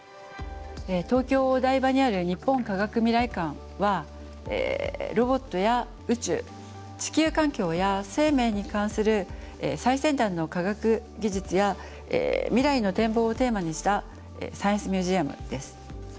東京・お台場にある日本科学未来館はロボットや宇宙地球環境や生命に関する最先端の科学技術や未来の展望をテーマにしたサイエンスミュージアムです。